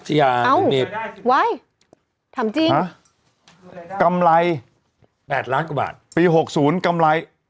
ใช่ค่ะ